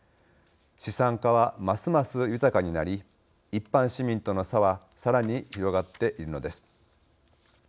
資産家はますます豊かになり一般市民との差はさらに広がっているのです。